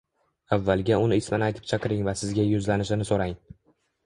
avvaliga uni ismini aytib chaqiring va sizga yuzlanishini so‘rang.